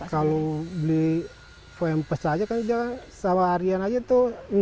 kalau beli poempest aja kan sama harian aja itu enam